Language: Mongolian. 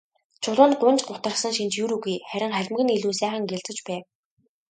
Чулуунд гуньж гутарсан шинж ер үгүй, харин халимаг нь илүү сайхан гялалзаж байв.